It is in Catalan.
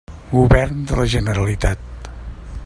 Govern de la Generalitat.